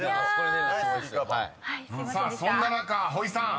［そんな中ほいさん